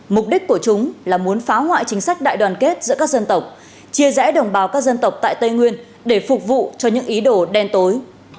mục đích của chúng là muốn phá hoại chính sách đại đoàn kết giữa các dân tộc chia rẽ đồng bào các dân tộc tại tây nguyên để phục vụ cho những ý đồ đen tối